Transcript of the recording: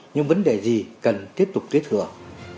những vấn đề gì cần tiếp tục tiết hưởng